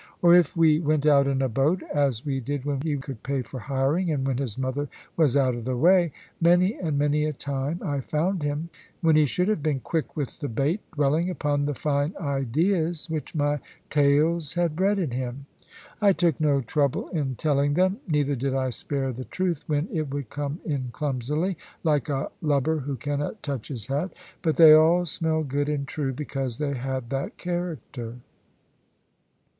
Or if we went out in a boat (as we did when he could pay for hiring, and when his mother was out of the way), many and many a time I found him, when he should have been quick with the bait, dwelling upon the fine ideas which my tales had bred in him. I took no trouble in telling them, neither did I spare the truth when it would come in clumsily (like a lubber who cannot touch his hat), but they all smelled good and true, because they had that character.